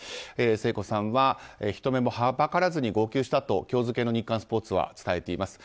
聖子さんは人目もはばからずに号泣したと今日付の日刊スポーツは伝えています。